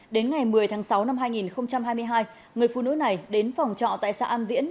đến ngày một mươi tháng sáu năm hai nghìn hai mươi hai người phụ nữ này đến phòng trọ tại xã an viễn